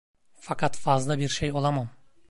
Fakat fazla bir şey olamam.